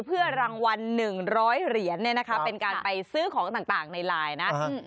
เพื่อรางวัล๑๐๐เหรียญเนี่ยนะคะเป็นการไปซื้อของต่างในไลน์นะ